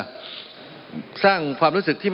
มันมีมาต่อเนื่องมีเหตุการณ์ที่ไม่เคยเกิดขึ้น